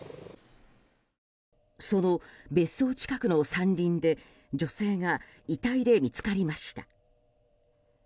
その別荘近くの山林で女性が遺体で見つかりました。